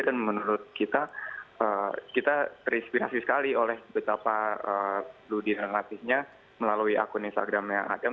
dan menurut kita kita terinspirasi sekali oleh betapa ludi dan ratihnya melalui akun instagramnya adam